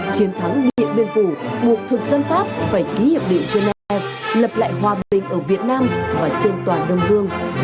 chiến thắng địa biên phủ cuộc thực dân pháp phải ký hiệp định cho nè lập lại hòa bình ở việt nam và trên toàn đông dương